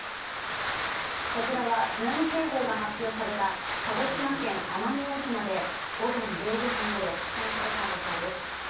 こちらは津波警報が発表された鹿児島県奄美大島で午前０時半ごろ撮影された映像です